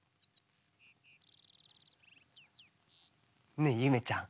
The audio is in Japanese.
ねえゆめちゃん。